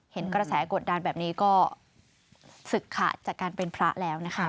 เห็นกระแสกดดันแบบนี้ก็ศึกขาดจากการเป็นพระแล้วนะคะ